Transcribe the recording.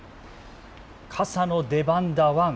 傘の出番だワン。